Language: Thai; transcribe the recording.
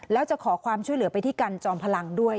แล้วจะขอความช่วยเหลือไปที่กันจอมพลังด้วย